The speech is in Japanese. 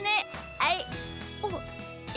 はい。